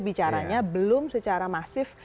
bicaranya belum secara masif